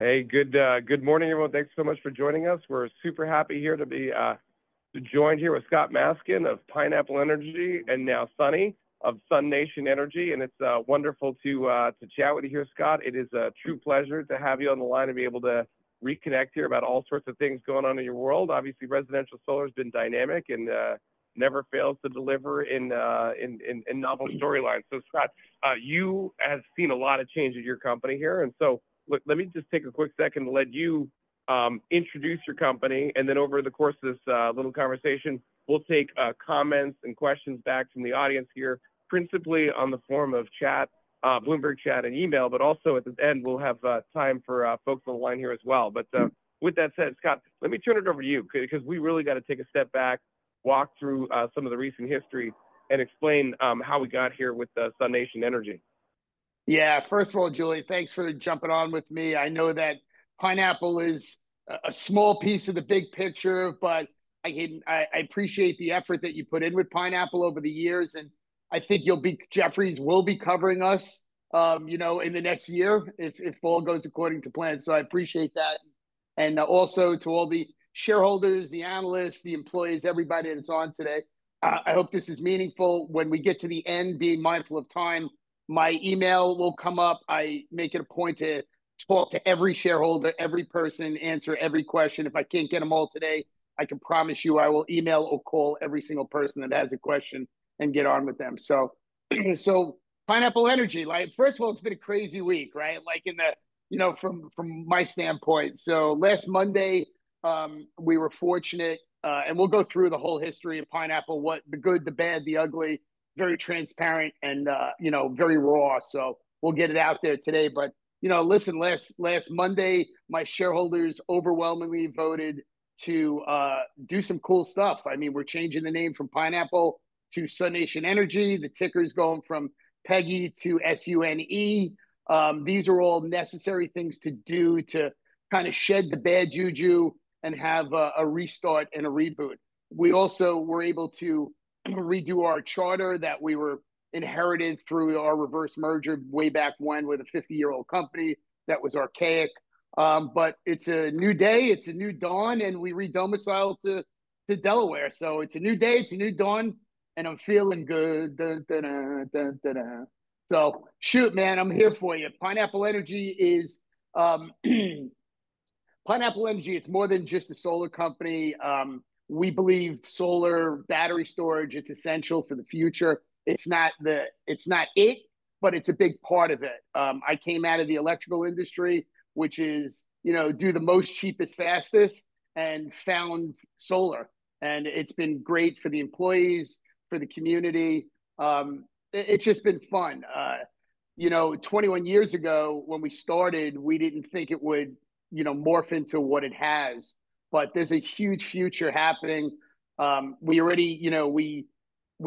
Hey, good morning, everyone. Thanks so much for joining us. We're super happy here to join here with Scott Maskin of Pineapple Energy and now SUNE of SUNation Energy. It's wonderful to chat with you here, Scott. It is a true pleasure to have you on the line and be able to reconnect here about all sorts of things going on in your world. Obviously, residential solar's been dynamic and never fails to deliver in novel storylines. Scott, you have seen a lot of change at your company here. Let me just take a quick second to let you introduce your company. Then over the course of this little conversation, we'll take comments and questions back from the audience here, principally in the form of chat, Bloomberg chat and email, but also at the end, we'll have time for folks on the line here as well. But with that said, Scott, let me turn it over to you 'cause we really gotta take a step back, walk through some of the recent history and explain how we got here with SUNation Energy. Yeah. First of all, Julian, thanks for jumping on with me. I know that Pineapple is a small piece of the big picture, but I appreciate the effort that you put in with Pineapple over the years. And I think you'll be, Jefferies will be covering us, you know, in the next year if all goes according to plan. So I appreciate that. And also to all the shareholders, the analysts, the employees, everybody that's on today, I hope this is meaningful. When we get to the end, being mindful of time, my email will come up. I make it a point to talk to every shareholder, every person, answer every question. If I can't get 'em all today, I can promise you I will email or call every single person that has a question and get on with them. So Pineapple Energy, like, first of all, it's been a crazy week, right? Like in the, you know, from my standpoint. So last Monday, we were fortunate, and we'll go through the whole history of Pineapple, what the good, the bad, the ugly, very transparent and, you know, very raw. So we'll get it out there today. But, you know, listen, last Monday, my shareholders overwhelmingly voted to do some cool stuff. I mean, we're changing the name from Pineapple to SUNation Energy. The ticker's going from PEGY to SUNE. These are all necessary things to do to kind of shed the bad juju and have a restart and a reboot. We also were able to redo our charter that we were inherited through our reverse merger way back when with a 50-year-old company that was archaic. But it's a new day. It's a new dawn. And we redomiciled to Delaware. So it's a new day. It's a new dawn. And I'm feeling good. So shoot, man, I'm here for you. Pineapple Energy is Pineapple Energy. It's more than just a solar company. We believe solar battery storage is essential for the future. It's not the; it's not it, but it's a big part of it. I came out of the electrical industry, which is, you know, do the most cheapest, fastest and found solar. And it's been great for the employees, for the community. It's just been fun. You know, 21 years ago when we started, we didn't think it would, you know, morph into what it has, but there's a huge future happening. We already, you know,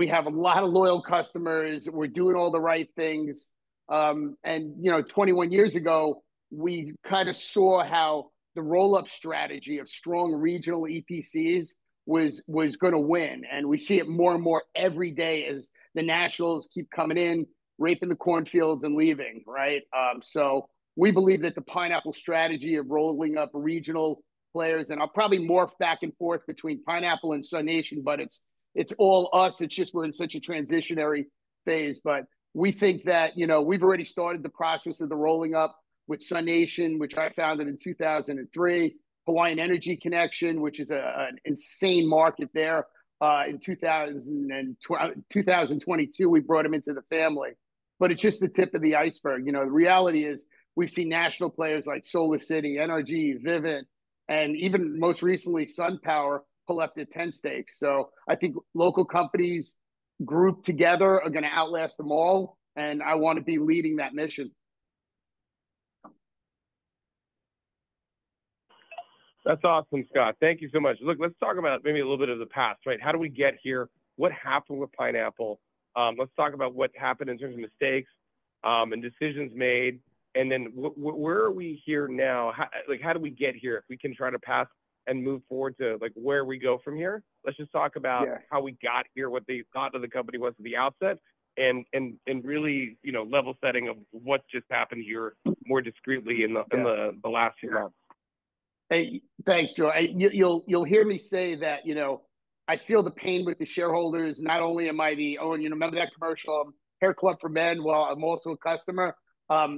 have a lot of loyal customers. We're doing all the right things. You know, 21 years ago, we kind of saw how the rollup strategy of strong regional EPCs was gonna win. And we see it more and more every day as the nationals keep coming in, raping the cornfields and leaving, right? So we believe that the Pineapple strategy of rolling up regional players and I'll probably morph back and forth between Pineapple and SUNation, but it's, it's all us. It's just, we're in such a transitionary phase. But we think that, you know, we've already started the process of the rolling up with SUNation, which I founded in 2003, Hawaii Energy Connection, which is a, an insane market there. In 2000 and 2022, we brought them into the family, but it's just the tip of the iceberg. You know, the reality is we've seen national players like SolarCity, NRG, Vivint, and even most recently SunPower pull up stakes. So I think local companies grouped together are gonna outlast them all. And I wanna be leading that mission. That's awesome, Scott. Thank you so much. Look, let's talk about maybe a little bit of the past, right? How did we get here? What happened with Pineapple? Let's talk about what happened in terms of mistakes, and decisions made. And then what, where are we here now? How, like, did we get here? If we can try to pass and move forward to, like, where we go from here, let's just talk about how we got here, what the thought of the company was at the outset and really, you know, level setting of what's just happened here more discreetly in the last few months. Hey, thanks, Julian. You'll hear me say that, you know, I feel the pain with the shareholders. Not only am I the owner, you know, remember that commercial, Hair Club for Men? Well, I'm also a customer.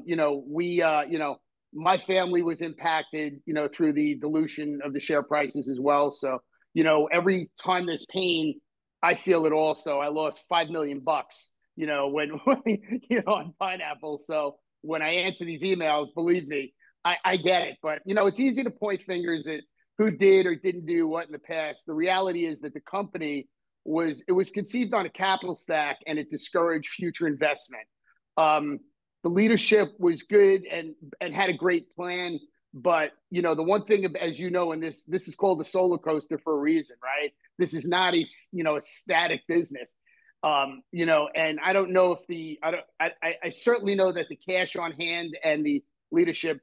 You know, we, you know, my family was impacted, you know, through the dilution of the share prices as well. So, you know, every time there's pain, I feel it also. I lost $5 million, you know, on Pineapple. So when I answer these emails, believe me, I get it. But, you know, it's easy to point fingers at who did or didn't do what in the past. The reality is that the company was conceived on a capital stack and it discouraged future investment. The leadership was good and had a great plan. But, you know, the one thing, as you know, and this is called a solar coaster for a reason, right? This is not a, you know, a static business. You know, and I don't know if the cash on hand and the leadership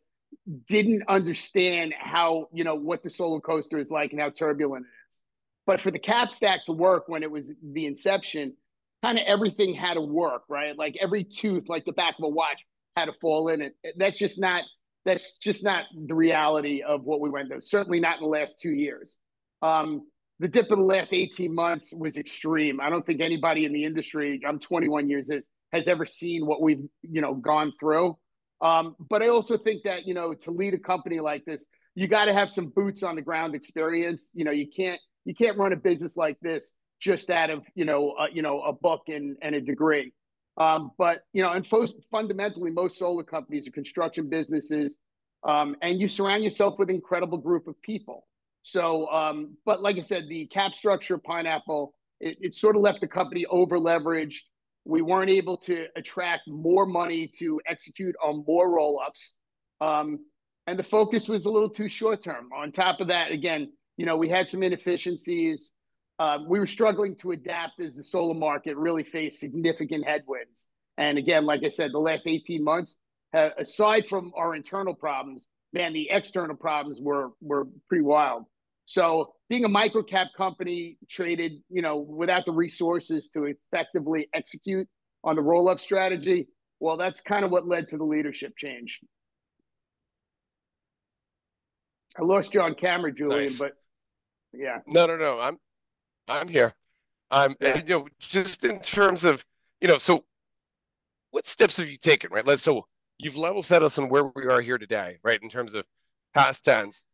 didn't understand how, you know, what the solar coaster is like and how turbulent it is. But for the cap stack to work when it was the inception, kind of everything had to work, right? Like every tooth, like the back of a watch had to fall in it. That's just not, that's just not the reality of what we went through. Certainly not in the last two years. The dip in the last 18 months was extreme. I don't think anybody in the industry, I'm 21 years, has ever seen what we've, you know, gone through, but I also think that, you know, to lead a company like this, you gotta have some boots on the ground experience. You know, you can't run a business like this just out of, you know, a book and a degree, but you know, fundamentally, most solar companies are construction businesses, and you surround yourself with an incredible group of people, so but like I said, the cap stack of Pineapple, it sort of left the company over-leveraged. We weren't able to attract more money to execute on more rollups, and the focus was a little too short-term. On top of that, again, you know, we had some inefficiencies. We were struggling to adapt as the solar market really faced significant headwinds. Again, like I said, the last 18 months, aside from our internal problems, man, the external problems were pretty wild. Being a micro-cap company traded, you know, without the resources to effectively execute on the rollup strategy, well, that's kind of what led to the leadership change. I lost you on camera, Julian, but yeah. No, no, no. I'm, I'm here. I'm, you know, just in terms of, you know, so what steps have you taken, right? Let's, so you've level set us on where we are here today, right? In terms of past tense,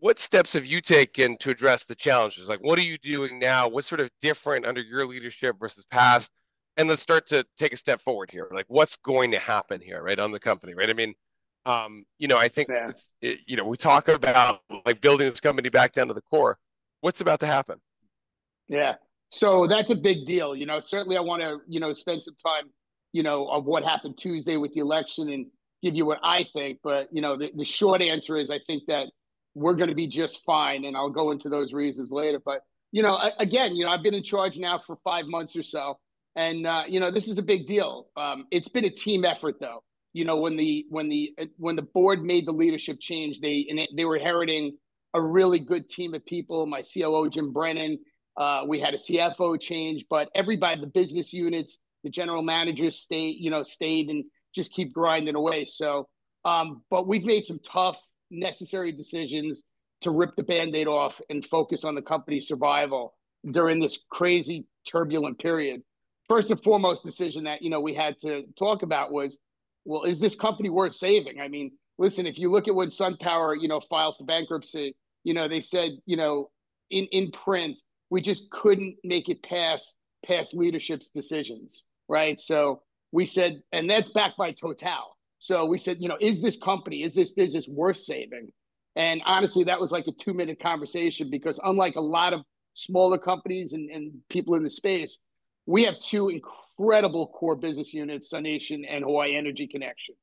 what steps have you taken to address the challenges? Like, what are you doing now? What's sort of different under your leadership versus past? And let's start to take a step forward here. Like, what's going to happen here, right, on the company, right? I mean, you know, I think it's, you know, we talk about like building this company back down to the core. What's about to happen? Yeah. So that's a big deal. You know, certainly I wanna, you know, spend some time, you know, of what happened Tuesday with the election and give you what I think. But, you know, the short answer is I think that we're gonna be just fine. And I'll go into those reasons later. But, you know, again, you know, I've been in charge now for five months or so. And, you know, this is a big deal. It's been a team effort though. You know, when the board made the leadership change, they were inheriting a really good team of people. My COO, Jim Brennan, we had a CFO change, but everybody, the business units, the general managers stayed and just keep grinding away. So, but we've made some tough, necessary decisions to rip the band-aid off and focus on the company's survival during this crazy turbulent period. First and foremost decision that, you know, we had to talk about was, well, is this company worth saving? I mean, listen, if you look at when SunPower, you know, filed for bankruptcy, you know, they said, you know, in print, we just couldn't make it past leadership's decisions, right? So we said, and that's backed by Total. So we said, you know, is this company, is this business worth saving? And honestly, that was like a two-minute conversation because unlike a lot of smaller companies and people in the space, we have two incredible core business units, SUNation and Hawaii Energy Connection.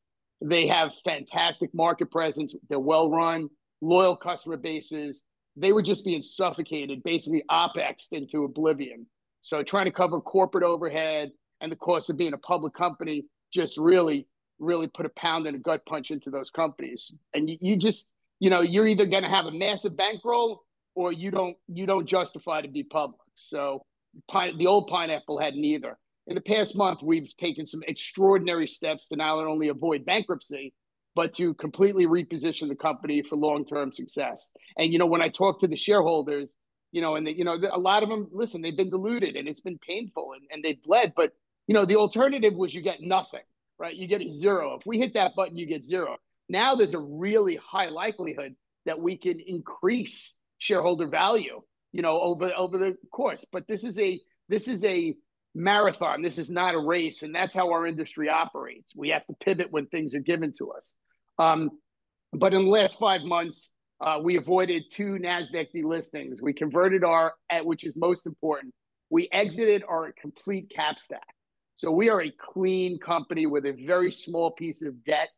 They have fantastic market presence. They're well-run, loyal customer bases. They were just being suffocated, basically OpExed into oblivion. So, trying to cover corporate overhead and the cost of being a public company just really, really put a pounding and a gut punch into those companies. And you, you just, you know, you're either gonna have a massive bankroll or you don't, you don't justify to be public. So the old Pineapple had neither. In the past month, we've taken some extraordinary steps to not only avoid bankruptcy, but to completely reposition the company for long-term success. And you know, when I talked to the shareholders, you know, and they, you know, a lot of 'em, listen, they've been diluted and it's been painful and, and they've bled. But, you know, the alternative was you get nothing, right? You get zero. If we hit that button, you get zero. Now there's a really high likelihood that we can increase shareholder value, you know, over the course. But this is a marathon. This is not a race. And that's how our industry operates. We have to pivot when things are given to us. But in the last five months, we avoided two Nasdaq delistings. We converted our, at which is most important, we exited our complete cap stack. So we are a clean company with a very small piece of debt.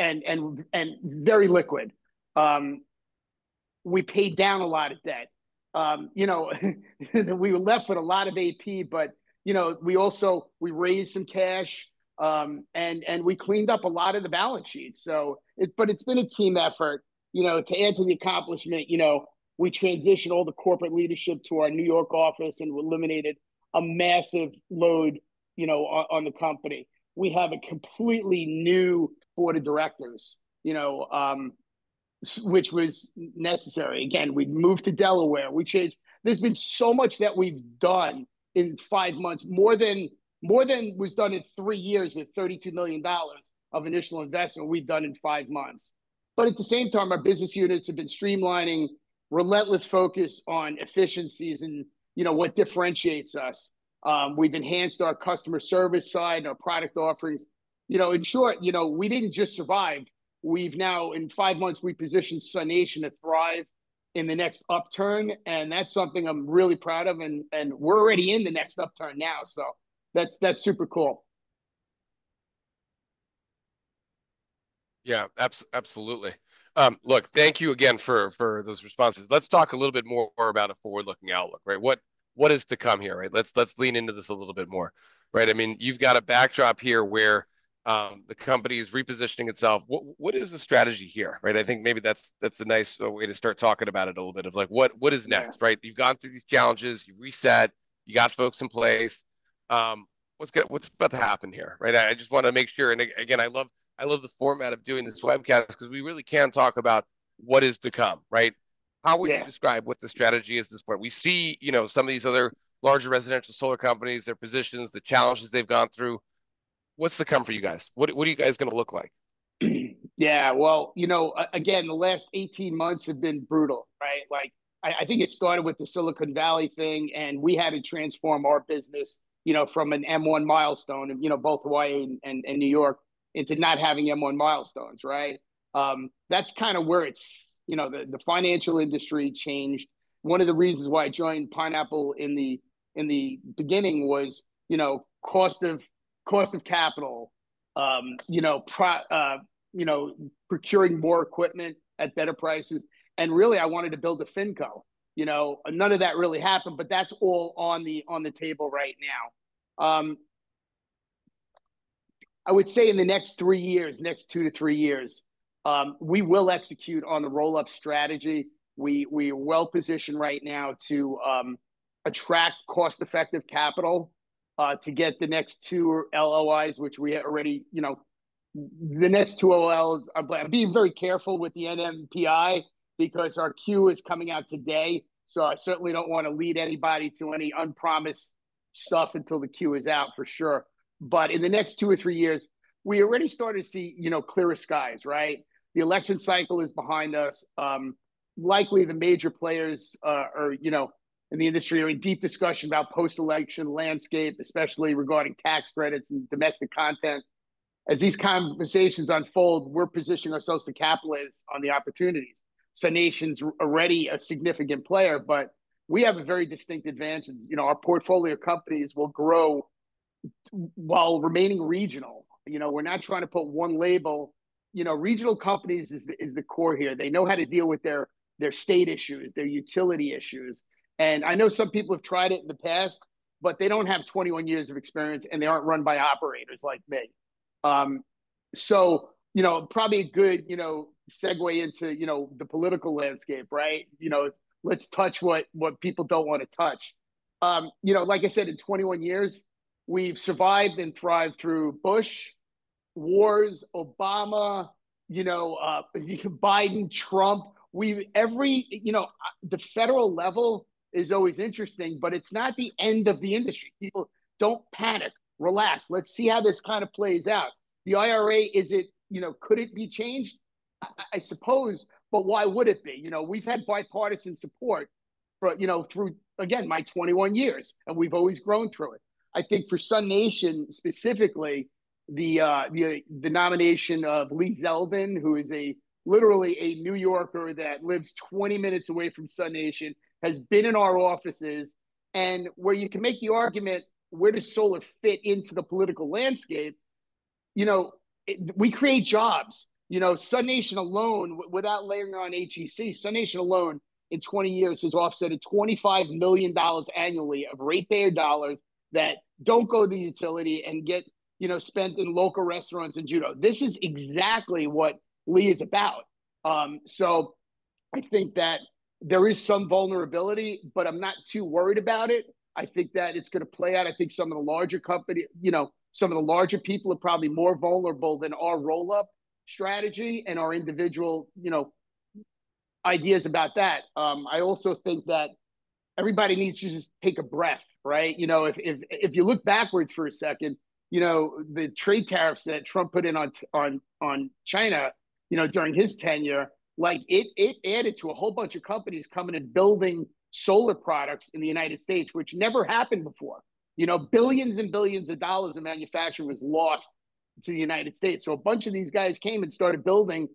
And very liquid. We paid down a lot of debt. You know, we were left with a lot of AP, but, you know, we also, we raised some cash. And we cleaned up a lot of the balance sheet. So it, but it's been a team effort, you know, to answer the accomplishment. You know, we transitioned all the corporate leadership to our New York office and eliminated a massive load, you know, on the company. We have a completely new board of directors, you know, which was necessary. Again, we moved to Delaware. We changed. There's been so much that we've done in five months, more than was done in three years with $32 million of initial investment we've done in five months. But at the same time, our business units have been streamlining, relentless focus on efficiencies and, you know, what differentiates us. We've enhanced our customer service side and our product offerings. You know, in short, you know, we didn't just survive. We've now, in five months, positioned SUNation to thrive in the next upturn. That's something I'm really proud of. We're already in the next upturn now. That's super cool. Yeah, absolutely. Look, thank you again for those responses. Let's talk a little bit more about a forward-looking outlook, right? What is to come here, right? Let's lean into this a little bit more, right? I mean, you've got a backdrop here where the company's repositioning itself. What is the strategy here, right? I think maybe that's a nice way to start talking about it a little bit of like, what is next, right? You've gone through these challenges, you've reset, you got folks in place. What's about to happen here, right? I just wanna make sure, and again, I love the format of doing this webcast because we really can talk about what is to come, right? How would you describe what the strategy is at this point? We see, you know, some of these other larger residential solar companies, their positions, the challenges they've gone through. What's to come for you guys? What, what are you guys gonna look like? Yeah. Well, you know, again, the last 18 months have been brutal, right? Like, I, I think it started with the Silicon Valley thing and we had to transform our business, you know, from an M1 milestone and, you know, both Hawaii and, and New York into not having M1 milestones, right? That's kind of where it's, you know, the, the financial industry changed. One of the reasons why I joined Pineapple in the, in the beginning was, you know, cost of, cost of capital, you know, pro, you know, procuring more equipment at better prices. And really I wanted to build a FINCO. You know, none of that really happened, but that's all on the, on the table right now. I would say in the next three years, next two to three years, we will execute on the rollup strategy. We are well positioned right now to attract cost-effective capital to get the next two LOIs, which we already, you know, the next two LOIs are being very careful with the MNPI because our queue is coming out today. So I certainly don't wanna lead anybody to any unpromised stuff until the queue is out for sure. But in the next two or three years, we already started to see, you know, clearer skies, right? The election cycle is behind us. Likely the major players, or, you know, in the industry are in deep discussion about post-election landscape, especially regarding tax credits and domestic content. As these conversations unfold, we're positioning ourselves to capitalize on the opportunities. SUNation's already a significant player, but we have a very distinct advantage. You know, our portfolio companies will grow while remaining regional. You know, we're not trying to put one label. You know, regional companies is the core here. They know how to deal with their state issues, their utility issues. And I know some people have tried it in the past, but they don't have 21 years of experience and they aren't run by operators like me. So, you know, probably a good, you know, segue into, you know, the political landscape, right? You know, let's touch what people don't wanna touch. You know, like I said, in 21 years, we've survived and thrived through Bush, wars, Obama, you know, Biden, Trump, we've every, you know, the federal level is always interesting, but it's not the end of the industry. People don't panic. Relax. Let's see how this kind of plays out. The IRA, is it, you know, could it be changed? I suppose, but why would it be? You know, we've had bipartisan support for, you know, through, again, my 21 years and we've always grown through it. I think for SUNation specifically, the nomination of Lee Zeldin, who is literally a New Yorker that lives 20 minutes away from SUNation, has been in our offices. And where you can make the argument, where does solar fit into the political landscape? You know, we create jobs. You know, SUNation alone, without layering on HEC, SUNation alone in 20 years has offset $25 million annually of ratepayer dollars that don't go to the utility and get, you know, spent in local restaurants and you know. This is exactly what Lee is about. So I think that there is some vulnerability, but I'm not too worried about it. I think that it's gonna play out. I think some of the larger companies, you know, some of the larger people are probably more vulnerable than our rollup strategy and our individual, you know, ideas about that. I also think that everybody needs to just take a breath, right? You know, if you look backwards for a second, you know, the trade tariffs that Trump put in on China, you know, during his tenure, like it added to a whole bunch of companies coming and building solar products in the United States, which never happened before. You know, billions and billions of dollars of manufacturing was lost to the United States. So a bunch of these guys came and started building,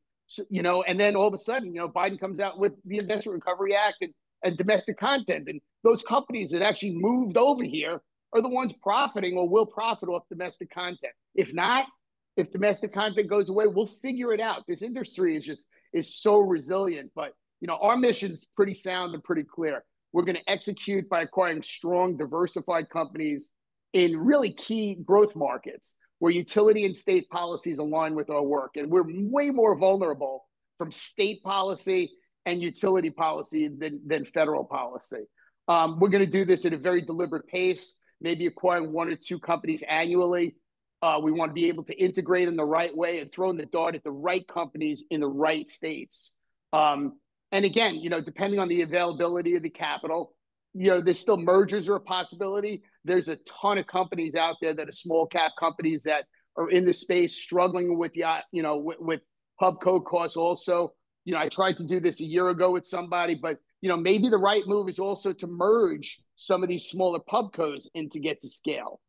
you know, and then all of a sudden, you know, Biden comes out with the Investment Recovery Act and domestic content. Those companies that actually moved over here are the ones profiting or will profit off domestic content. If domestic content goes away, we'll figure it out. This industry is just so resilient. Our mission's pretty sound and pretty clear. We're gonna execute by acquiring strong, diversified companies in really key growth markets where utility and state policies align with our work. We're way more vulnerable from state policy and utility policy than federal policy. We're gonna do this at a very deliberate pace, maybe acquiring one or two companies annually. We wanna be able to integrate in the right way and connect the dots at the right companies in the right states. Again, you know, depending on the availability of the capital, you know, there's still mergers that are a possibility. There's a ton of companies out there that are small cap companies that are in this space struggling with the, you know, with PubCo costs. Also, you know, I tried to do this a year ago with somebody, but, you know, maybe the right move is also to merge some of these smaller PubCo and to get to scale.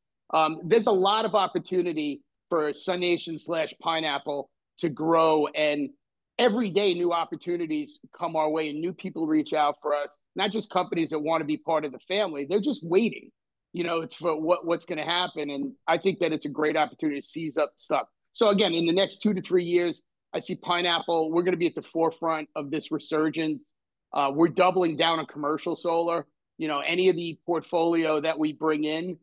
There's a lot of opportunity for SUNation slash Pineapple to grow. And every day new opportunities come our way and new people reach out for us, not just companies that wanna be part of the family. They're just waiting, you know, for what's gonna happen. And I think that it's a great opportunity to size up stuff. So again, in the next two to three years, I see Pineapple, we're gonna be at the forefront of this resurgence. We're doubling down on commercial solar. You know, any of the portfolio that we bring in,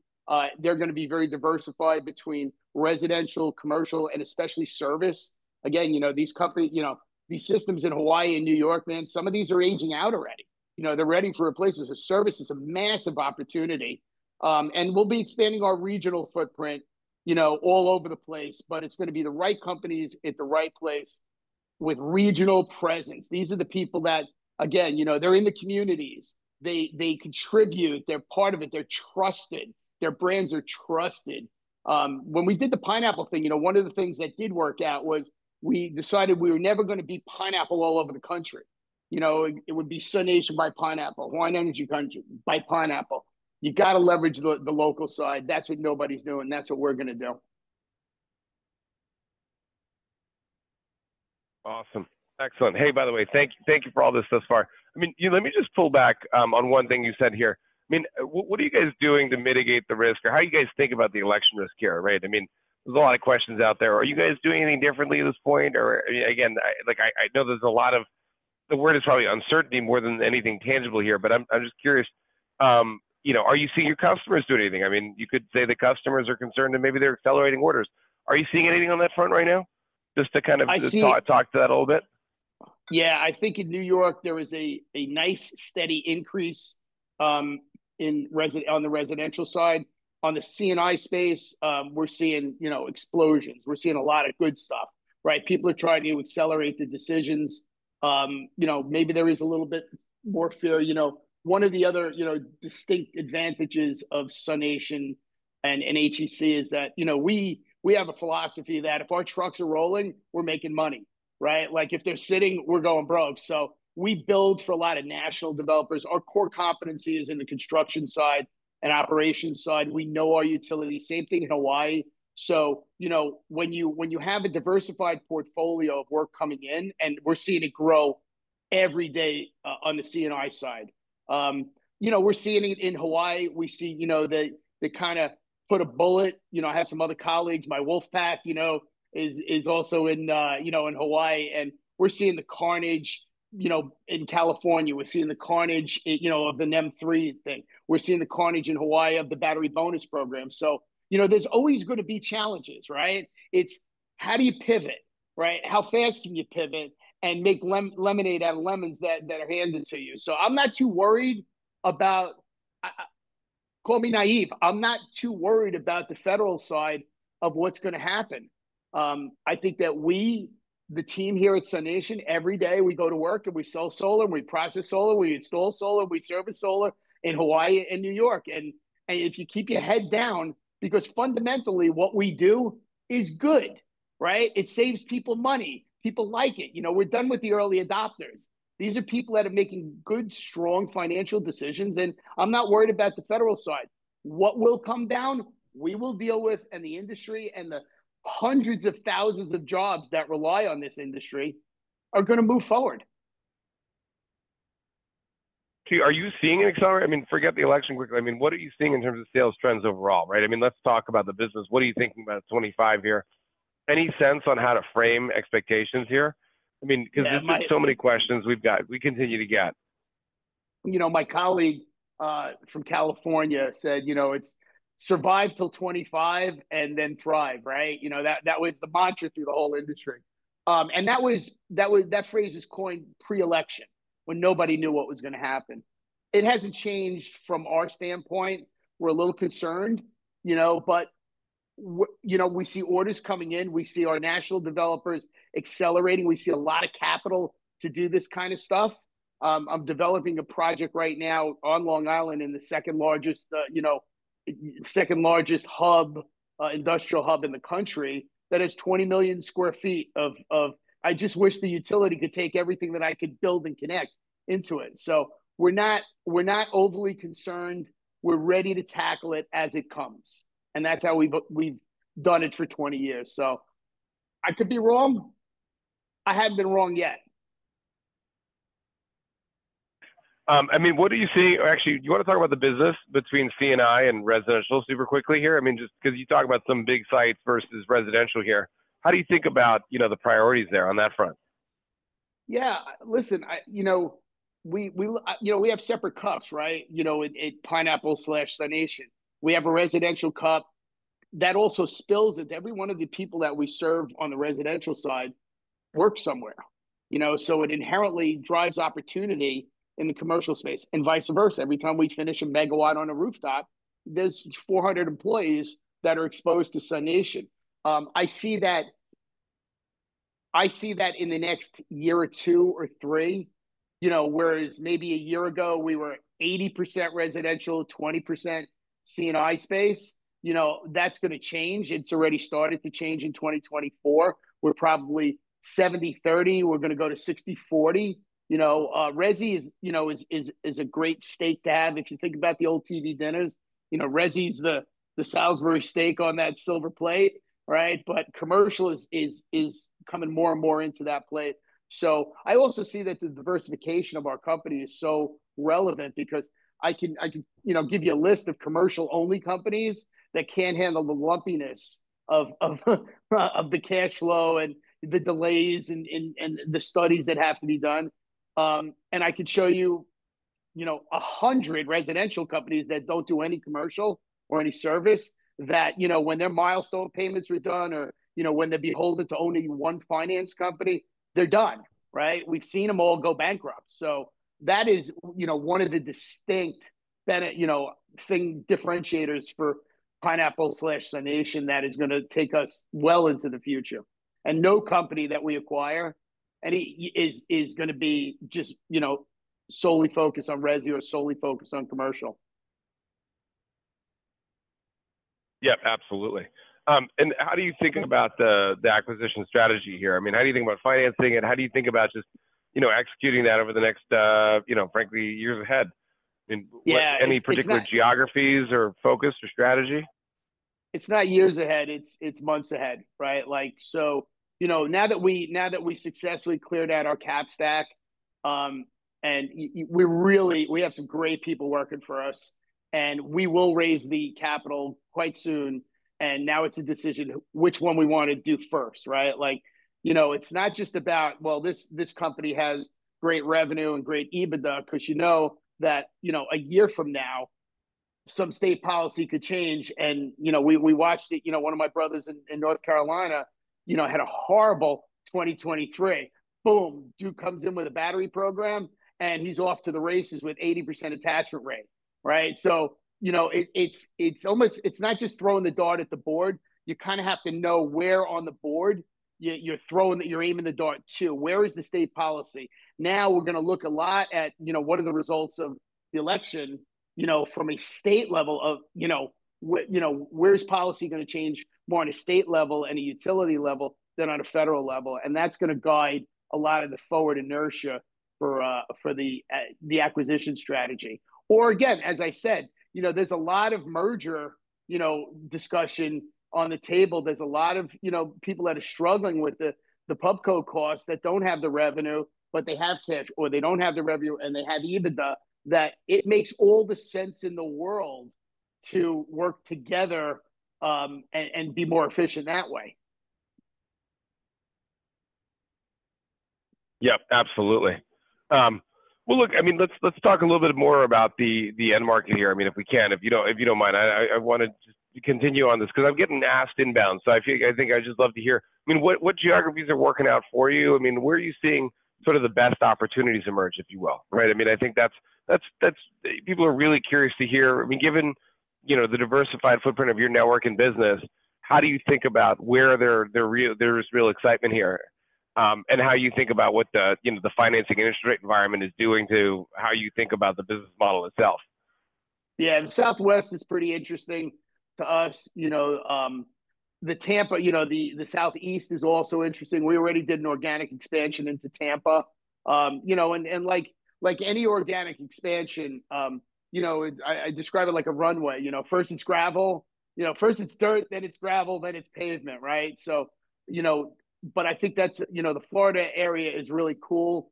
they're gonna be very diversified between residential, commercial, and especially service. Again, you know, these companies, you know, these systems in Hawaii and New York, man, some of these are aging out already. You know, they're ready for replacements. The service is a massive opportunity, and we'll be expanding our regional footprint, you know, all over the place, but it's gonna be the right companies at the right place with regional presence. These are the people that, again, you know, they're in the communities. They contribute, they're part of it. They're trusted. Their brands are trusted. When we did the Pineapple thing, you know, one of the things that did work out was we decided we were never gonna be Pineapple all over the country. You know, it would be SUNation by Pineapple, Hawaii Energy Connection by Pineapple. You gotta leverage the local side. That's what nobody's doing. That's what we're gonna do. Awesome. Excellent. Hey, by the way, thank you, thank you for all this thus far. I mean, you, let me just pull back, on one thing you said here. I mean, what are you guys doing to mitigate the risk or how do you guys think about the election risk here, right? I mean, there's a lot of questions out there. Are you guys doing anything differently at this point? Or again, I, like, I know there's a lot of, the word is probably uncertainty more than anything tangible here, but I'm just curious, you know, are you seeing your customers doing anything? I mean, you could say the customers are concerned and maybe they're accelerating orders. Are you seeing anything on that front right now? Just to kind of talk to that a little bit. Yeah, I think in New York there was a nice steady increase in residential on the residential side. On the CNI space, we're seeing, you know, explosions. We're seeing a lot of good stuff, right? People are trying to accelerate the decisions. You know, maybe there is a little bit more fear. You know, one of the other, you know, distinct advantages of SUNation and HEC is that, you know, we have a philosophy that if our trucks are rolling, we're making money, right? Like if they're sitting, we're going broke. So we build for a lot of national developers. Our core competency is in the construction side and operations side. We know our utility. Same thing in Hawaii. So, you know, when you have a diversified portfolio of work coming in and we're seeing it grow every day, on the CNI side. You know, we're seeing it in Hawaii. I have some other colleagues, my Wolf Pack, you know, is also in, you know, in Hawaii and we're seeing the carnage, you know, in California. We're seeing the carnage, you know, of the NEM three thing. We're seeing the carnage in Hawaii of the battery bonus program. So, you know, there's always gonna be challenges, right? It's how do you pivot, right? How fast can you pivot and make lemonade outta lemons that are handed to you? So I'm not too worried about. Call me naive. I'm not too worried about the federal side of what's gonna happen. I think that we, the team here at SUNation, every day we go to work and we sell solar and we process solar, we install solar, we service solar in Hawaii and New York. And if you keep your head down, because fundamentally what we do is good, right? It saves people money. People like it. You know, we're done with the early adopters. These are people that are making good, strong financial decisions. And I'm not worried about the federal side. What will come down, we will deal with, and the industry and the hundreds of thousands of jobs that rely on this industry are gonna move forward. So are you seeing an acceleration? I mean, forget the election quickly. I mean, what are you seeing in terms of sales trends overall, right? I mean, let's talk about the business. What are you thinking about 25 here? Any sense on how to frame expectations here? I mean, 'cause there's so many questions we've got, we continue to get. You know, my colleague from California said, you know, it's survive till 25 and then thrive, right? You know, that was the mantra through the whole industry. That was. That phrase is coined pre-election when nobody knew what was gonna happen. It hasn't changed from our standpoint. We're a little concerned, you know, but we, you know, we see orders coming in. We see our national developers accelerating. We see a lot of capital to do this kind of stuff. I'm developing a project right now on Long Island in the second largest industrial hub in the country that has 20 million sq ft of. I just wish the utility could take everything that I could build and connect into it. So we're not overly concerned. We're ready to tackle it as it comes. That's how we've done it for 20 years. So I could be wrong. I haven't been wrong yet. I mean, what do you see? Or actually, you wanna talk about the business between CNI and residential super quickly here? I mean, just 'cause you talk about some big sites versus residential here. How do you think about, you know, the priorities there on that front? Yeah, listen, you know, we have separate buckets, right? You know, Pineapple slash SUNation. We have a residential bucket that also spills into every one of the people that we serve on the residential side work somewhere, you know? So it inherently drives opportunity in the commercial space and vice versa. Every time we finish a megawatt on a rooftop, there's 400 employees that are exposed to SUNation. I see that in the next year or two or three, you know, whereas maybe a year ago we were 80% residential, 20% CNI space, you know, that's gonna change. It's already started to change in 2024. We're probably 70%-30%. We're gonna go to 60%-40%, you know? Resi is, you know, a great stake to have. If you think about the old TV dinners, you know, resi’s the Salisbury steak on that silver plate, right? But commercial is coming more and more into that plate. So I also see that the diversification of our company is so relevant because I can, you know, give you a list of commercial-only companies that can't handle the lumpiness of the cash flow and the delays and the studies that have to be done, and I could show you, you know, a hundred residential companies that don't do any commercial or any service that, you know, when their milestone payments were done or, you know, when they beholden to only one finance company, they're done, right? We've seen 'em all go bankrupt. So that is, you know, one of the distinct differentiators for Pineapple slash SUNation that is gonna take us well into the future. And no company that we acquire is gonna be just, you know, solely focused on res or solely focused on commercial. Yep, absolutely, and how do you think about the acquisition strategy here? I mean, how do you think about financing and how do you think about just, you know, executing that over the next, you know, frankly, years ahead? I mean, any particular geographies or focus or strategy? It's not years ahead. It's, it's months ahead, right? Like, so, you know, now that we, now that we successfully cleared out our cap stack, and we really, we have some great people working for us and we will raise the capital quite soon. And now it's a decision which one we wanna do first, right? Like, you know, it's not just about, well, this, this company has great revenue and great EBITDA 'cause you know that, you know, a year from now, some state policy could change. And, you know, we, we watched it, you know, one of my brothers in, in North Carolina, you know, had a horrible 2023. Boom, Duke comes in with a battery program and he's off to the races with 80% attachment rate, right? So, you know, it, it's, it's almost, it's not just throwing the dart at the board. You kind of have to know where on the board you're throwing that you're aiming the dart to. Where is the state policy? Now we're gonna look a lot at, you know, what are the results of the election, you know, from a state level, you know, what, you know, where's policy gonna change more on a state level and a utility level than on a federal level? And that's gonna guide a lot of the forward inertia for the acquisition strategy. Or again, as I said, you know, there's a lot of merger, you know, discussion on the table. There's a lot of, you know, people that are struggling with the PubCo costs that don't have the revenue, but they have cash or they don't have the revenue and they have EBITDA that it makes all the sense in the world to work together, and be more efficient that way. Yep, absolutely. Well, look, I mean, let's talk a little bit more about the end market here. I mean, if we can, if you don't mind, I wanted to continue on this 'cause I'm getting asked inbound. So I feel, I think I just love to hear, I mean, what geographies are working out for you? I mean, where are you seeing sort of the best opportunities emerge, if you will, right? I mean, I think that's people are really curious to hear. I mean, given, you know, the diversified footprint of your network and business, how do you think about where there is real excitement here and how you think about what the, you know, the financing industry environment is doing to how you think about the business model itself? Yeah, and Southeast is pretty interesting to us, you know, the Tampa, you know, the Southeast is also interesting. We already did an organic expansion into Tampa, you know, and like any organic expansion, you know, I describe it like a runway, you know, first it's gravel, you know, first it's dirt, then it's gravel, then it's pavement, right? So, you know, but I think that's, you know, the Florida area is really cool,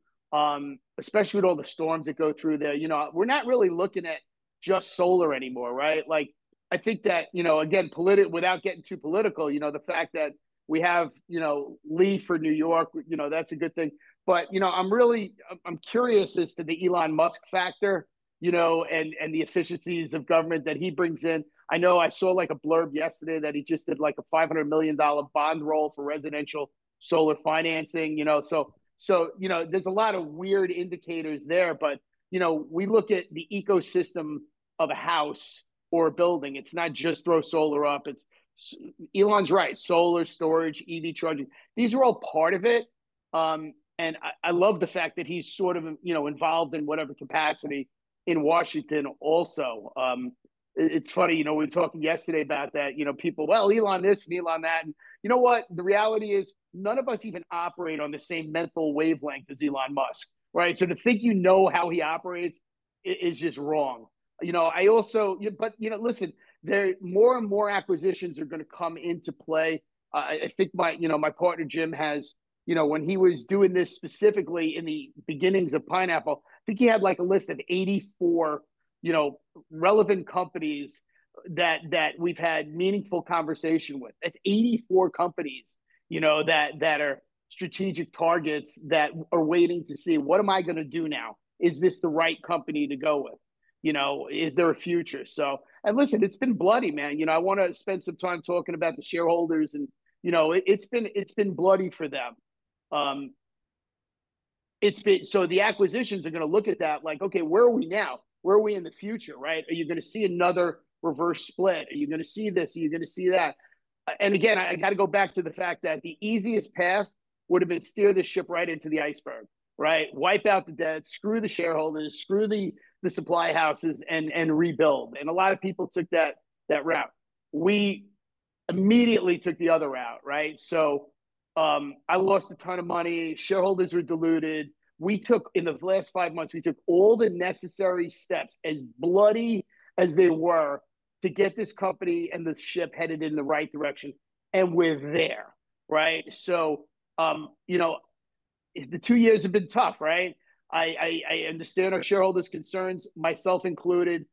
especially with all the storms that go through there. You know, we're not really looking at just solar anymore, right? Like, I think that, you know, again, without getting too political, you know, the fact that we have, you know, relief for New York, you know, that's a good thing. But you know, I'm really, I'm curious as to the Elon Musk factor, you know, and, and the efficiencies of government that he brings in. I know I saw like a blurb yesterday that he just did like a $500 million bond roll for residential solar financing, you know? So, so, you know, there's a lot of weird indicators there, but, you know, we look at the ecosystem of a house or a building. It's not just throw solar up. It's Elon's right. Solar storage, EV charging, these are all part of it. And I, I love the fact that he's sort of, you know, involved in whatever capacity in Washington also. It's funny, you know, we were talking yesterday about that, you know, people, well, Elon this and Elon that. And you know what? The reality is none of us even operate on the same mental wavelength as Elon Musk, right? So to think, you know, how he operates is just wrong. You know, I also, but you know, listen, there are more and more acquisitions that are gonna come into play. I think my, you know, my partner Jim has, you know, when he was doing this specifically in the beginnings of Pineapple, I think he had like a list of 84, you know, relevant companies that we've had meaningful conversation with. It's 84 companies, you know, that are strategic targets that are waiting to see, what am I gonna do now? Is this the right company to go with? You know, is there a future? So, and listen, it's been bloody, man. You know, I wanna spend some time talking about the shareholders and, you know, it's been bloody for them. So the acquisitions are gonna look at that like, okay, where are we now? Where are we in the future? Right? Are you gonna see another reverse split? Are you gonna see this? Are you gonna see that? And again, I gotta go back to the fact that the easiest path would've been steer the ship right into the iceberg, right? Wipe out the debt, screw the shareholders, screw the supply houses and rebuild. And a lot of people took that route. We immediately took the other route, right? So, I lost a ton of money. Shareholders were diluted. We took in the last five months, we took all the necessary steps as bloody as they were to get this company and the ship headed in the right direction, and we're there, right? So, you know, the two years have been tough, right? I understand our shareholders' concerns, myself included.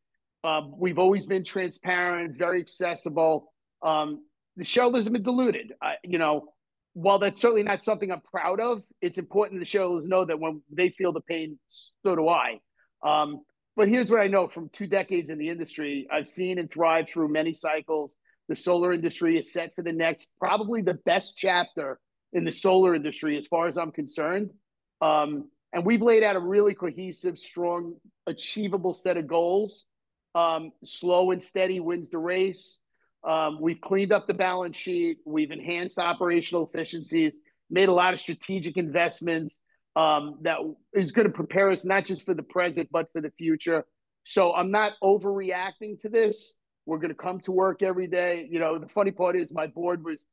We've always been transparent, very accessible. The shareholders have been diluted. I, you know, while that's certainly not something I'm proud of, it's important that the shareholders know that when they feel the pain, so do I. But here's what I know from two decades in the industry. I've seen and thrived through many cycles. The solar industry is set for the next, probably the best chapter in the solar industry as far as I'm concerned, and we've laid out a really cohesive, strong, achievable set of goals. Slow and steady wins the race. We've cleaned up the balance sheet. We've enhanced operational efficiencies, made a lot of strategic investments, that is gonna prepare us not just for the present, but for the future. So I'm not overreacting to this. We're gonna come to work every day. You know, the funny part is my board was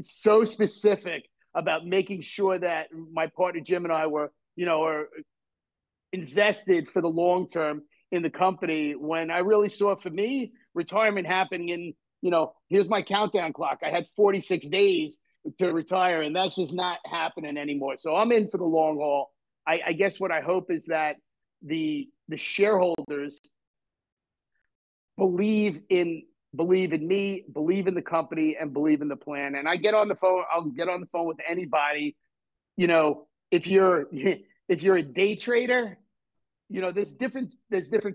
so specific about making sure that my partner Jim and I were, you know, are invested for the long term in the company when I really saw it for me retirement happening in, you know, here's my countdown clock. I had 46 days to retire and that's just not happening anymore. So I'm in for the long haul. I, I guess what I hope is that the, the shareholders believe in, believe in me, believe in the company and believe in the plan, and I get on the phone, I'll get on the phone with anybody. You know, if you're a day trader, you know, there's different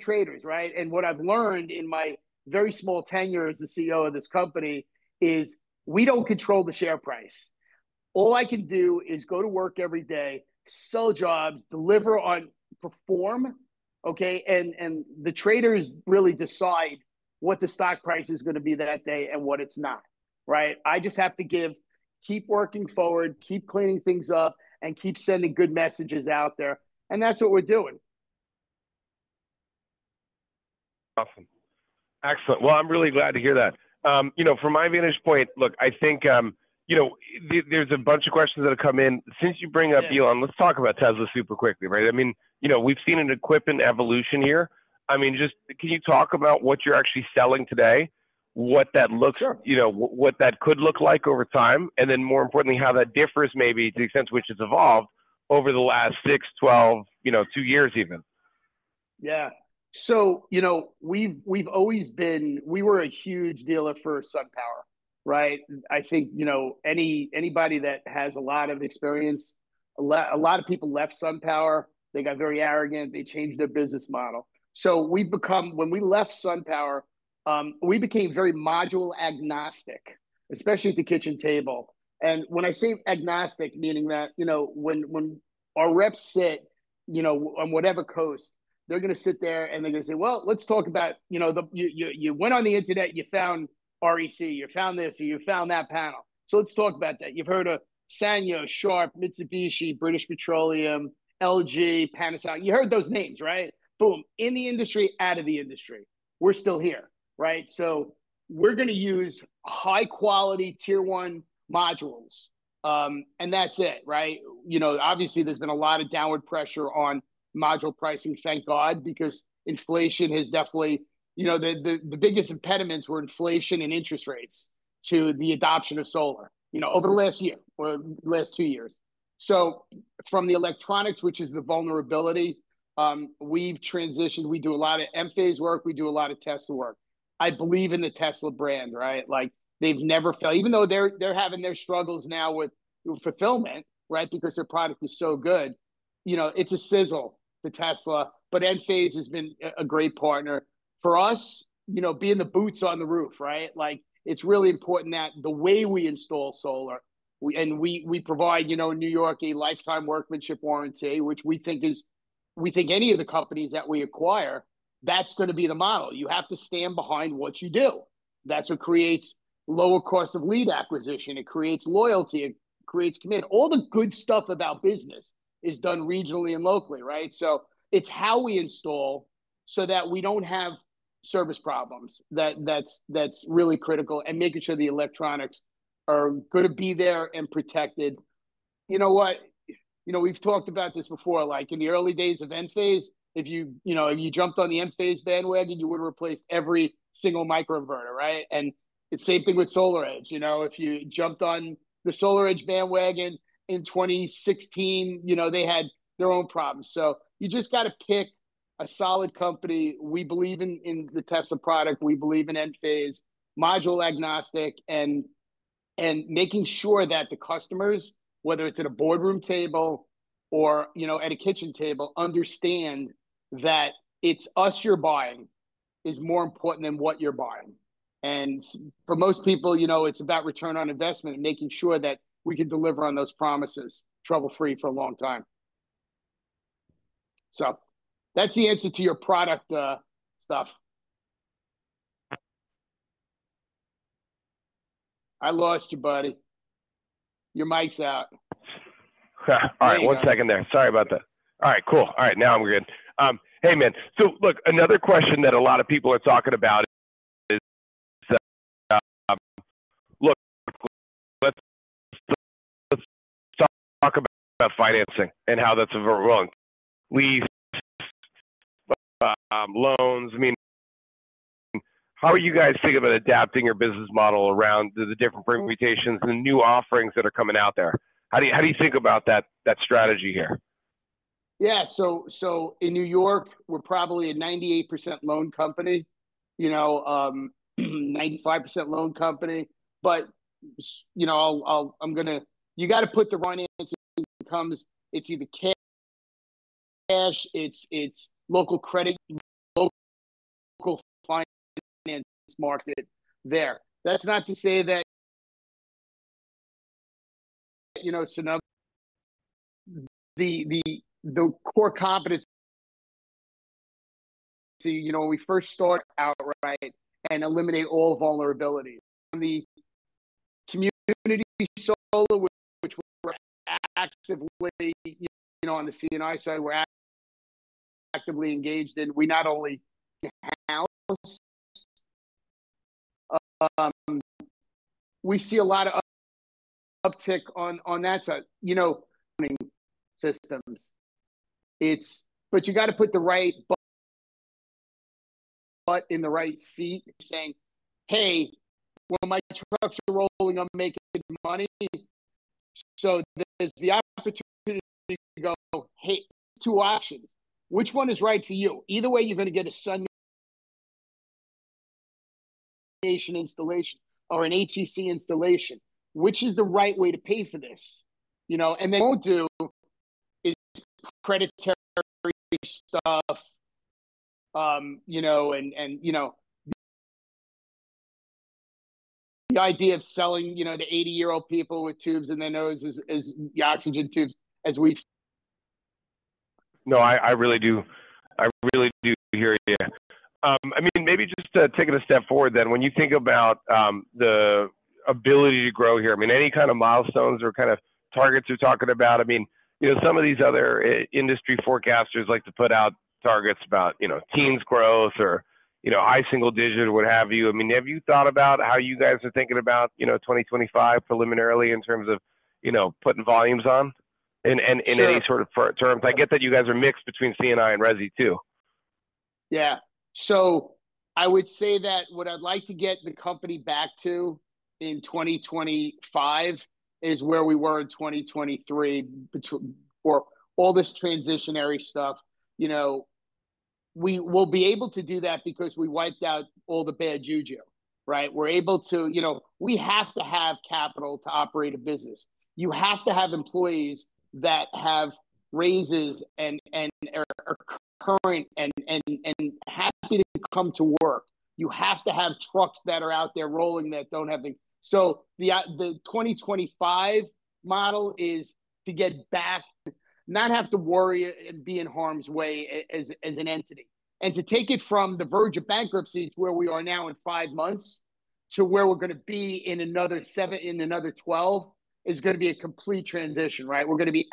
traders, right? And what I've learned in my very small tenure as the CEO of this company is we don't control the share price. All I can do is go to work every day, sell jobs, deliver on, perform, okay? And the traders really decide what the stock price is gonna be that day and what it's not, right? I just have to keep working forward, keep cleaning things up and keep sending good messages out there. And that's what we're doing. Awesome. Excellent. Well, I'm really glad to hear that. You know, from my vantage point, look, I think, you know, there, there's a bunch of questions that have come in. Since you bring up Elon, let's talk about Tesla super quickly, right? I mean, you know, we've seen an equipment evolution here. I mean, just can you talk about what you're actually selling today, what that looks, you know, what that could look like over time, and then more importantly, how that differs maybe to the extent to which it's evolved over the last six, 12, you know, two years even? Yeah. So, you know, we've always been. We were a huge dealer for SunPower, right? I think, you know, anybody that has a lot of experience, a lot of people left SunPower. They got very arrogant. They changed their business model. So we've become, when we left SunPower, we became very module agnostic, especially at the kitchen table. And when I say agnostic, meaning that, you know, when our reps sit, you know, on whatever coast, they're gonna sit there and they're gonna say, well, let's talk about, you know, you went on the internet, you found REC, you found this, or you found that panel. So let's talk about that. You've heard of Sanyo, Sharp, Mitsubishi, British Petroleum, LG, Panasonic. You heard those names, right? Boom. In the industry, out of the industry, we're still here, right? So we're gonna use high quality Tier 1 modules. And that's it, right? You know, obviously there's been a lot of downward pressure on module pricing, thank God, because inflation has definitely, you know, the biggest impediments were inflation and interest rates to the adoption of solar, you know, over the last year or last two years. So from the electronics, which is the vulnerability, we've transitioned, we do a lot of Enphase work, we do a lot of Tesla work. I believe in the Tesla brand, right? Like they've never failed, even though they're having their struggles now with fulfillment, right? Because their product is so good, you know, it's a sizzle to Tesla, but Enphase has been a great partner for us, you know, being the boots on the roof, right? Like it's really important that the way we install solar, we provide, you know, in New York, a lifetime workmanship warranty, which we think any of the companies that we acquire, that's gonna be the model. You have to stand behind what you do. That's what creates lower cost of lead acquisition. It creates loyalty. It creates commitment. All the good stuff about business is done regionally and locally, right? So it's how we install so that we don't have service problems. That's really critical and making sure the electronics are gonna be there and protected. You know what? You know, we've talked about this before, like in the early days of Enphase, if you, you know, jumped on the Enphase bandwagon, you would've replaced every single microinverter, right? And it's the same thing with SolarEdge, you know, if you jumped on the SolarEdge bandwagon in 2016, you know, they had their own problems. So you just gotta pick a solid company. We believe in the Tesla product. We believe in Enphase, module agnostic, and making sure that the customers, whether it's at a boardroom table or, you know, at a kitchen table, understand that it's us you're buying is more important than what you're buying. And for most people, you know, it's about return on investment and making sure that we can deliver on those promises trouble-free for a long time. So that's the answer to your product, stuff. I lost you, buddy. Your mic's out. All right. One second there. Sorry about that. All right. Cool. All right. Now I'm good. Hey man. So look, another question that a lot of people are talking about is, look, let's talk about financing and how that's evolving. Lease, loans. I mean, how are you guys thinking about adapting your business model around the different permutations and new offerings that are coming out there? How do you think about that strategy here? Yeah. So in New York, we're probably a 98% loan company, you know, 95% loan company. But you know, I'll. I'm gonna. You gotta put the financing incomes. It's either cash. It's local credit, local finance market there. That's not to say that, you know, it's another the core competency, you know, we first start out, right, and eliminate all vulnerabilities. On the community solar, which we're actively, you know, on the CNI side, we're actively engaged in. We not only house, we see a lot of uptick on that side, you know. Running systems. But you gotta put the right butt in the right seat. You saying, hey, when my trucks are rolling, I'm making good money. So there's the opportunity to go, hey, two options. Which one is right for you? Either way, you're gonna get a SUNation installation or an HEC installation. Which is the right way to pay for this? You know, and then don't do is predatory stuff, you know, and, you know, the idea of selling, you know, the 80-year-old people with tubes in their nose is the oxygen tubes as we've. No, I, I really do, I really do hear you. I mean, maybe just to take it a step forward then, when you think about the ability to grow here, I mean, any kind of milestones or kind of targets you're talking about? I mean, you know, some of these other industry forecasters like to put out targets about, you know, teens growth or, you know, high single digit or what have you. I mean, have you thought about how you guys are thinking about, you know, 2025 preliminarily in terms of, you know, putting volumes on and, and, and any sort of terms? I get that you guys are mixed between CNI and RESI too. Yeah. So I would say that what I'd like to get the company back to in 2025 is where we were in 2023 between or all this transitionary stuff. You know, we will be able to do that because we wiped out all the bad juju, right? We're able to, you know, we have to have capital to operate a business. You have to have employees that have raises and are current and happy to come to work. You have to have trucks that are out there rolling that don't have things. So the 2025 model is to get back, not have to worry and be in harm's way as an entity and to take it from the verge of bankruptcies where we are now in five months to where we're gonna be in another seven, in another 12 is gonna be a complete transition, right? We're gonna be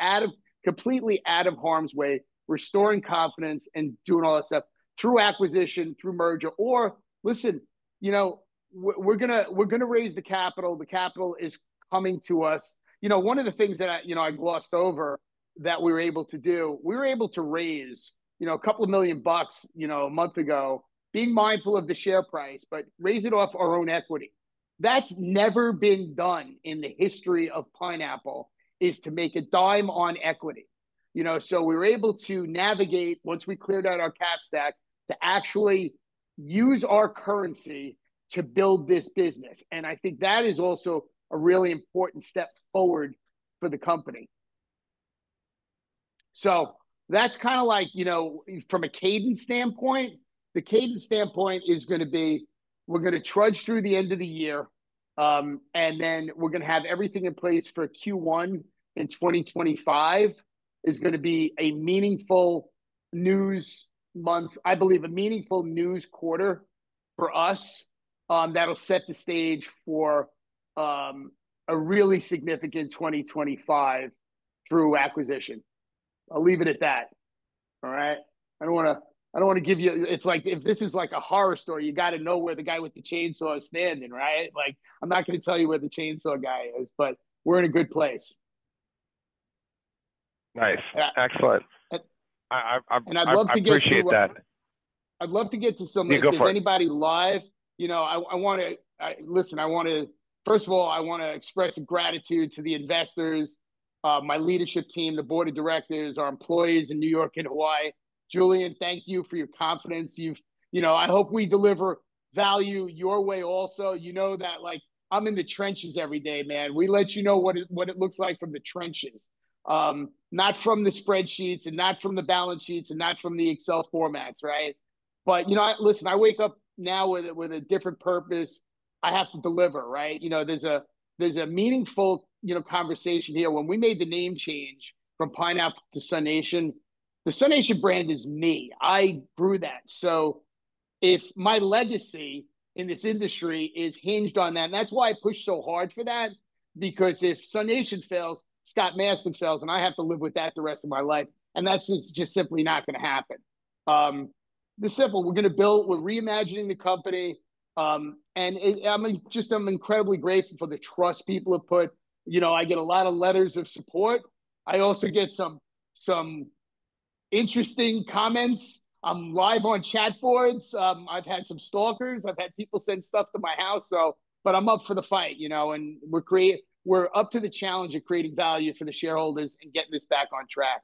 completely out of harm's way, restoring confidence and doing all that stuff through acquisition, through merger. Or, listen, you know, we're gonna raise the capital. The capital is coming to us. You know, one of the things that I glossed over that we were able to do, we were able to raise $2 million a month ago, being mindful of the share price, but raise it off our own equity. That's never been done in the history of Pineapple is to make a dime on equity, you know? So we were able to navigate once we cleared out our cap stack to actually use our currency to build this business. And I think that is also a really important step forward for the company. So that's kind of like, you know, from a cadence standpoint, the cadence standpoint is gonna be, we're gonna trudge through the end of the year, and then we're gonna have everything in place for Q1 in 2025 is gonna be a meaningful news month, I believe a meaningful news quarter for us, that'll set the stage for, a really significant 2025 through acquisition. I'll leave it at that. All right. I don't wanna give you, it's like if this is like a horror story, you gotta know where the guy with the chainsaw is standing, right? Like I'm not gonna tell you where the chainsaw guy is, but we're in a good place. Nice. Excellent. I appreciate that. I'd love to get to someone if there's anybody live, you know. I wanna first of all express gratitude to the investors, my leadership team, the board of directors, our employees in New York and Hawaii. Julian, thank you for your confidence. You've, you know, I hope we deliver value your way also. You know that, like, I'm in the trenches every day, man. We let you know what it looks like from the trenches, not from the spreadsheets and not from the balance sheets and not from the Excel formats, right? But, you know, I wake up now with a different purpose. I have to deliver, right? You know, there's a meaningful conversation here when we made the name change from Pineapple to SUNation. The SUNation brand is me. I grew that. So if my legacy in this industry is hinged on that, and that's why I pushed so hard for that, because if SUNation fails, Scott Maskin fails, and I have to live with that the rest of my life. And that's just simply not gonna happen. The simple, we're gonna build, we're reimagining the company. And I'm just, I'm incredibly grateful for the trust people have put. You know, I get a lot of letters of support. I also get some, some interesting comments. I'm live on chat boards. I've had some stalkers. I've had people send stuff to my house. So, but I'm up for the fight, you know, and we're creating, we're up to the challenge of creating value for the shareholders and getting this back on track.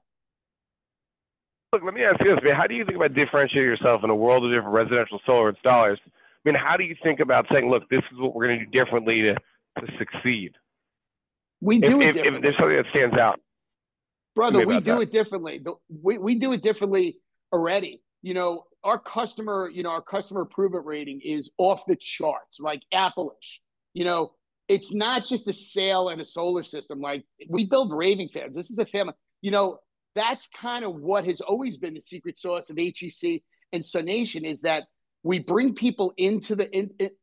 Look, let me ask you this, man. How do you think about differentiating yourself in a world of different residential solar installers? I mean, how do you think about saying, look, this is what we're gonna do differently to succeed? We do it differently. If there's something that stands out. Brother, we do it differently. We, we do it differently already. You know, our customer, you know, our customer approval rating is off the charts, like Apple-ish. You know, it's not just a sale and a solar system. Like we build raving fans. This is a family, you know, that's kind of what has always been the secret sauce of HEC and SUNation is that we bring people into the,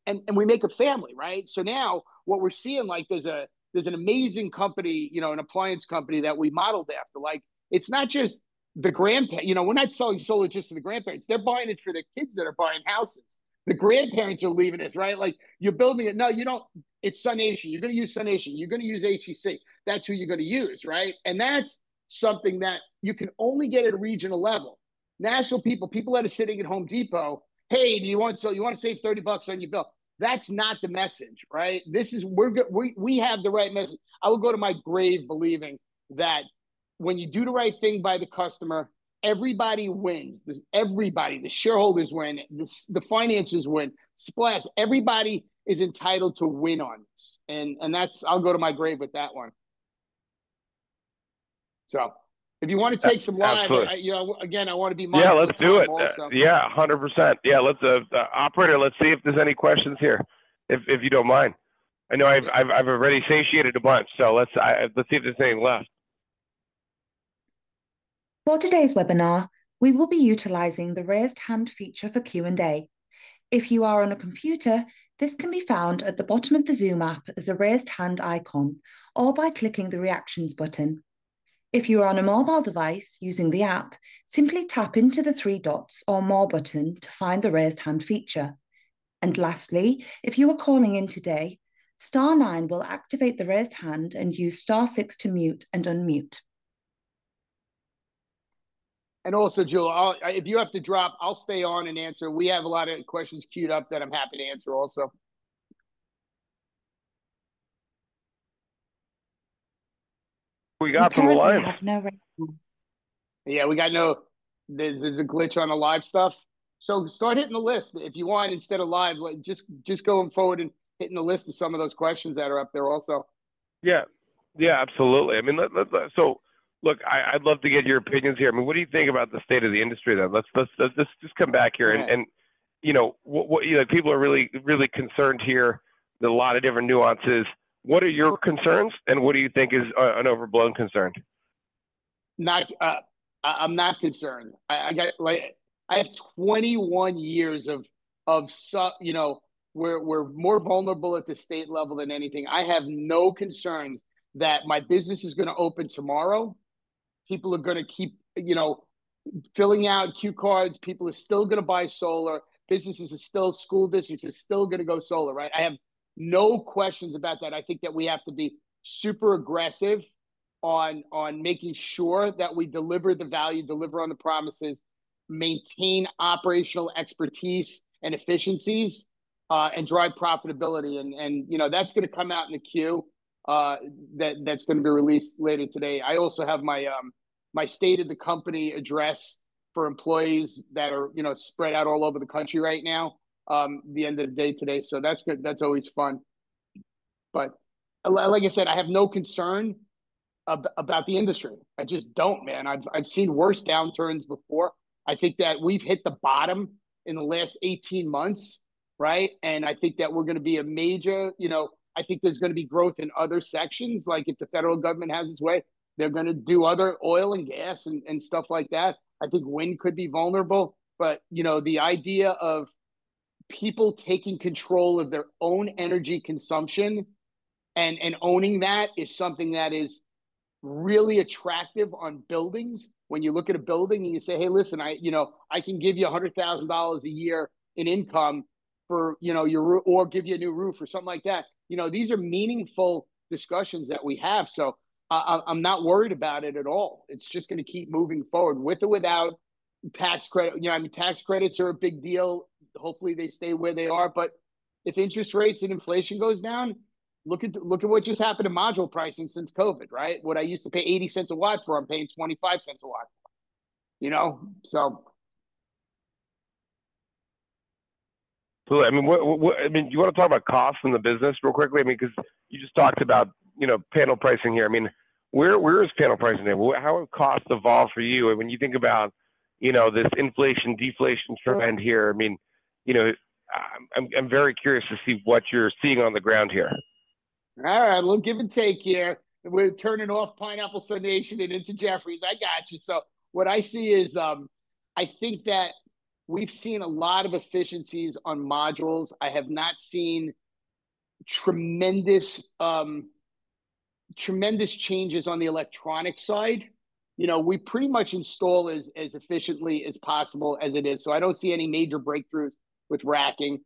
and we make a family, right? So now what we're seeing, like there's an amazing company, you know, an appliance company that we modeled after. Like it's not just the grandparents, you know, we're not selling solar just to the grandparents. They're buying it for their kids that are buying houses. The grandparents are leaving us, right? Like you're building it. No, you don't. It's SUNation. You're gonna use SUNation. You're gonna use HEC. That's who you're gonna use, right? And that's something that you can only get at a regional level. National people, people that are sitting at Home Depot, hey, do you want to, you wanna save $30 on your bill? That's not the message, right? This is, we have the right message. I will go to my grave believing that when you do the right thing by the customer, everybody wins. Everybody, the shareholders win, the finances win. Splash. Everybody is entitled to win on this. And that's, I'll go to my grave with that one. So if you wanna take some live, I, you know, again, I wanna be mindful. Yeah, let's do it. Yeah. 100%. Yeah. Let's operator, let's see if there's any questions here, if you don't mind. I know I've already satiated a bunch. So let's see if there's anything left. For today's webinar, we will be utilizing the raised hand feature for Q and A. If you are on a computer, this can be found at the bottom of the Zoom app as a raised hand icon or by clicking the reactions button. If you are on a mobile device using the app, simply tap into the three dots or more button to find the raised hand feature. And lastly, if you are calling in today, star nine will activate the raised hand and use star six to mute and unmute. Also, Julian, I'll, if you have to drop, I'll stay on and answer. We have a lot of questions queued up that I'm happy to answer also. We got some live. Yeah. We got no, there's a glitch on the live stuff. So start hitting the list if you want. Instead of live, just going forward and hitting the list of some of those questions that are up there also. Yeah. Yeah. Absolutely. I mean, let's so look, I'd love to get your opinions here. I mean, what do you think about the state of the industry then? Let's just come back here and, you know, what you know, people are really concerned here. There's a lot of different nuances. What are your concerns and what do you think is an overblown concern? No, I'm not concerned. I got, like, I have 21 years of solar, you know, we're more vulnerable at the state level than anything. I have no concerns that my business is gonna open tomorrow. People are gonna keep, you know, filling out queue cards. People are still gonna buy solar. Businesses are still, school districts are still gonna go solar, right? I have no questions about that. I think that we have to be super aggressive on making sure that we deliver the value, deliver on the promises, maintain operational expertise and efficiencies, and drive profitability. And you know, that's gonna come out in the 10-Q, that's gonna be released later today. I also have my state of the company address for employees that are, you know, spread out all over the country right now, the end of the day today. That's good. That's always fun. But like I said, I have no concern about the industry. I just don't, man. I've seen worse downturns before. I think that we've hit the bottom in the last 18 months, right? And I think that we're gonna be a major, you know. I think there's gonna be growth in other sections. Like if the federal government has its way, they're gonna do other oil and gas and stuff like that. I think wind could be vulnerable, but, you know, the idea of people taking control of their own energy consumption and owning that is something that is really attractive on buildings. When you look at a building and you say, hey, listen, I, you know, I can give you $100,000 a year in income for, you know, your roof or give you a new roof or something like that. You know, these are meaningful discussions that we have. So I'm not worried about it at all. It's just gonna keep moving forward with or without tax credit. You know, I mean, tax credits are a big deal. Hopefully they stay where they are. But if interest rates and inflation goes down, look at what just happened to module pricing since COVID, right? What I used to pay $0.80 a watt for, I'm paying $0.25 a watt for, you know? So. I mean, what, I mean, you wanna talk about costs in the business real quickly? I mean, 'cause you just talked about, you know, panel pricing here. I mean, where is panel pricing there? How have costs evolved for you? And when you think about, you know, this inflation deflation trend here, I mean, you know, I'm very curious to see what you're seeing on the ground here. All right, well, give and take here. We're tuning in Pineapple SUNation and into Jefferies. I got you. So what I see is, I think that we've seen a lot of efficiencies on modules. I have not seen tremendous, tremendous changes on the electronic side. You know, we pretty much install as efficiently as possible as it is. So I don't see any major breakthroughs with racking,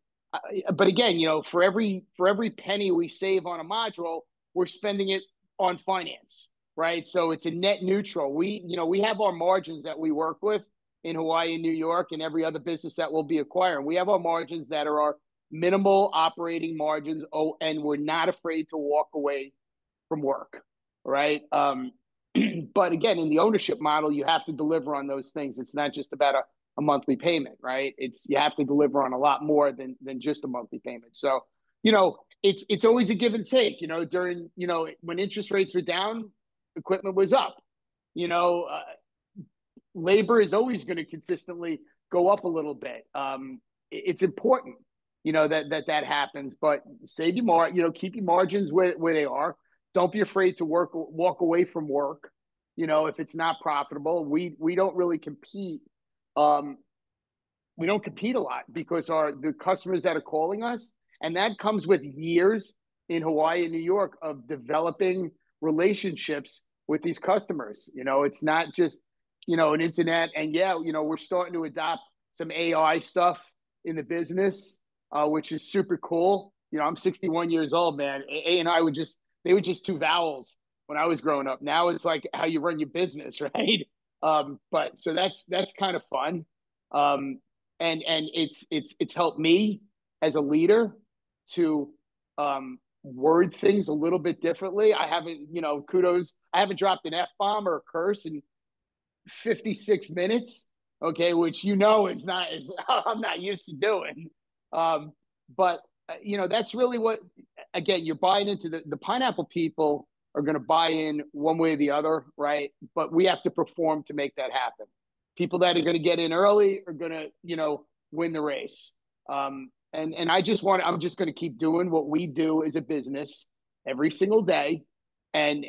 but again, you know, for every, for every penny we save on a module, we're spending it on finance, right? So it's a net neutral. We, you know, we have our margins that we work with in Hawaii and New York and every other business that we'll be acquiring. We have our margins that are our minimal operating margins. Oh, and we're not afraid to walk away from work, right? But again, in the ownership model, you have to deliver on those things. It's not just about a monthly payment, right? It's you have to deliver on a lot more than just a monthly payment. So, you know, it's always a give and take, you know, during, you know, when interest rates were down, equipment was up, you know, labor is always gonna consistently go up a little bit. It's important, you know, that happens, but save you more, you know, keep your margins where they are. Don't be afraid to walk away from work, you know, if it's not profitable. We don't really compete. We don't compete a lot because our customers that are calling us, and that comes with years in Hawaii and New York of developing relationships with these customers. You know, it's not just, you know, an internet and yeah, you know, we're starting to adopt some AI stuff in the business, which is super cool. You know, I'm 61 years old, man. AI would just, they were just two vowels when I was growing up. Now it's like how you run your business, right? But so that's kind of fun. And it's helped me as a leader to word things a little bit differently. I haven't, you know, kudos. I haven't dropped an F-bomb or a curse in 56 minutes. Okay. Which, you know, is not, I'm not used to doing. But, you know, that's really what, again, you're buying into the, the Pineapple people are gonna buy in one way or the other, right? But we have to perform to make that happen. People that are gonna get in early are gonna, you know, win the race. And I just wanna, I'm just gonna keep doing what we do as a business every single day. And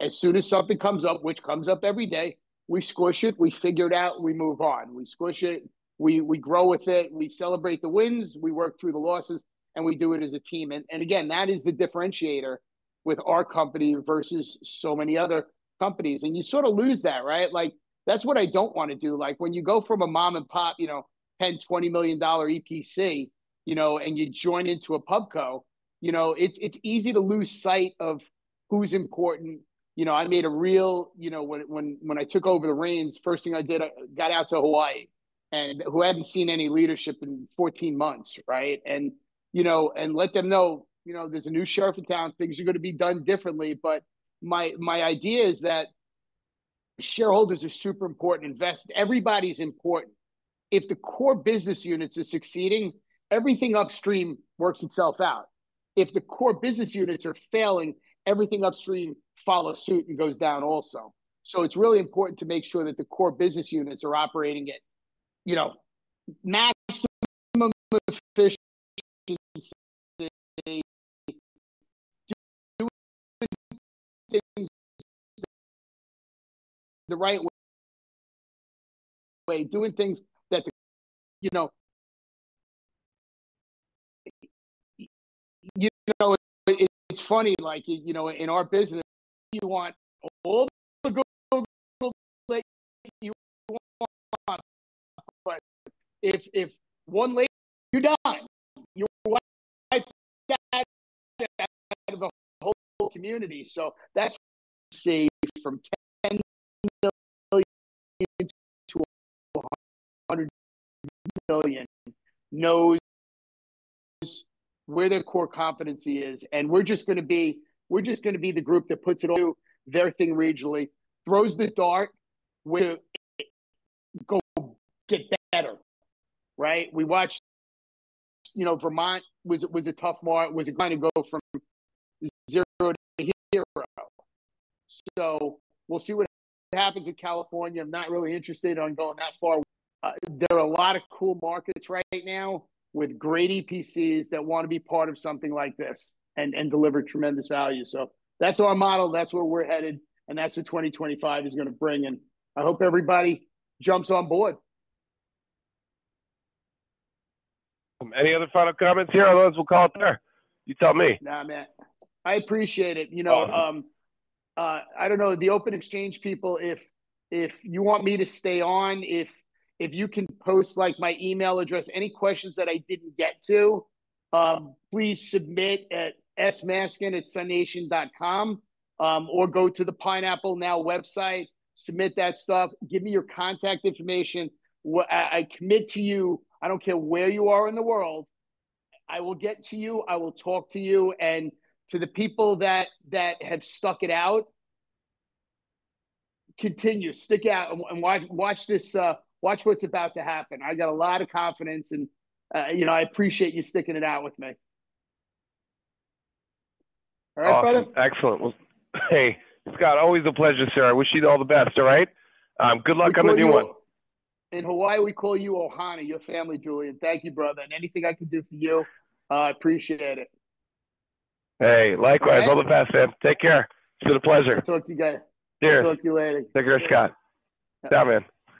as soon as something comes up, which comes up every day, we squish it, we figure it out, we move on, we squish it, we grow with it, we celebrate the wins, we work through the losses, and we do it as a team. And again, that is the differentiator with our company versus so many other companies. And you sort of lose that, right? Like that's what I don't wanna do. Like when you go from a mom and pop, you know, $10-$20 million EPC, you know, and you join into a Pubco, you know, it's easy to lose sight of who's important. You know, I made a real, you know, when I took over the reins, first thing I did, I got out to Hawaii and who hadn't seen any leadership in 14 months, right? And, you know, and let them know, you know, there's a new sheriff in town, things are gonna be done differently. But my idea is that shareholders are super important. Invest. Everybody's important. If the core business units are succeeding, everything upstream works itself out. If the core business units are failing, everything upstream follows suit and goes down also. So it's really important to make sure that the core business units are operating at, you know, maximum efficiency, doing things the right way, doing things that, you know, it's funny, like, you know, in our business, you want old, you want one, but if one lady, you're done. whole community. So that's safe from 10 million to 100 million and knows where their core competency is. And we're just gonna be, we're just gonna be the group that puts it. Do their thing regionally, throws the dart. To go get better, right? We watched, you know, Vermont was, it was a tough market, was a go from zero to hero. So we'll see what happens with California. I'm not really interested in going that far. There are a lot of cool markets right now with great EPCs that wanna be part of something like this and, and deliver tremendous value. So that's our model. That's where we're headed. And that's what 2025 is gonna bring. And I hope everybody jumps on board. Any other final comments here? Otherwise, we'll call it there. You tell me. Nah, man. I appreciate it. You know, I don't know the OpenExchange people. If you want me to stay on, if you can post like my email address, any questions that I didn't get to, please submit at smaskin@sunation.com, or go to the Pineapple Energy website, submit that stuff, give me your contact information. What I commit to you. I don't care where you are in the world. I will get to you. I will talk to you. And to the people that have stuck it out, continue, stick out and watch this, watch what's about to happen. I got a lot of confidence and, you know, I appreciate you sticking it out with me. All right, brother. Excellent. Well, hey, Scott, always a pleasure, sir. I wish you all the best. All right. Good luck. I'm a new one. In Hawaii, we call you Ohana. Your family, Julian. Thank you, brother, and anything I can do for you, I appreciate it. Hey, likewise. All the best, man. Take care. It's been a pleasure. Talk to you guys. Cheers. Talk to you later. Take care, Scott. Ciao, man.